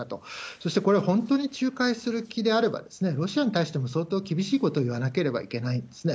そしてこれは本当に仲介する気であれば、ロシアに対しても相当厳しいことを言わなければいけないんですね。